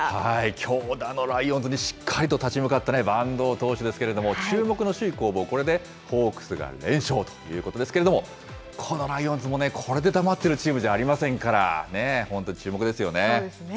強打のライオンズにしっかりと立ち向かった板東投手ですけれども、注目の首位攻防、これでホークスが連勝ということですけれども、このライオンズもね、これで黙っているチームではありませそうですね。